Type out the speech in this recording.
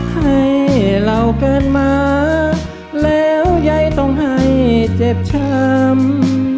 ให้เราเกินมาแล้วยายต้องให้เจ็บช้ำ